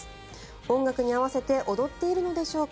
音楽に合わせて踊っているのでしょうか。